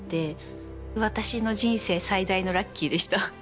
私の人生最大のラッキーでした。